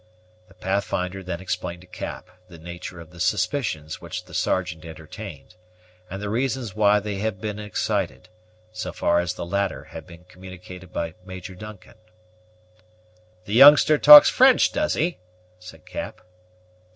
The Pathfinder then explained to Cap the nature of the suspicions which the Sergeant entertained, and the reasons why they had been excited, so far as the latter had been communicated by Major Duncan. "The youngster talks French, does he?" said Cap.